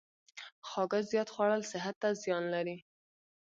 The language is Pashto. خواږه زیات خوړل صحت ته زیان لري.